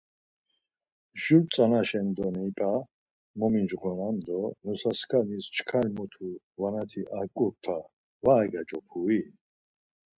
Jur tzanaşen doni paa mogincxonam do nusaskanis çkar mutu varnati ar ǩurta var egaç̌opui?